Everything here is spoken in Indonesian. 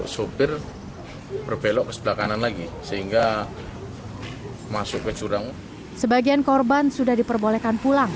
sebagian korban sudah diperbolehkan pulang